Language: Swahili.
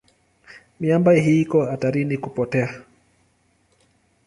Miamba hii iko hatarini kupotea.